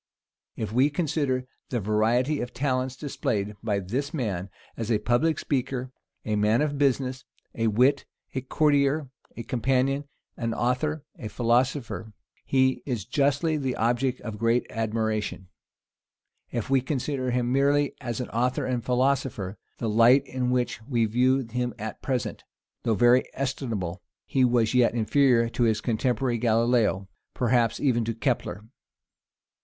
If we consider the variety of talents displayed by this man, as a public speaker, a man of business, a wit, a courtier, a companion, an author, a philosopher, he is justly the object of great admiration. If we consider him merely as an author and philosopher, the light in which we view him at present, though very estimable, he was yet inferior to his contemporary Galilaeo, perhaps even to Kepler.